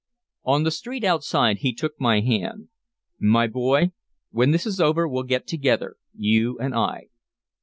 On the street outside he took my hand: "My boy, when this is over we'll get together, you and I."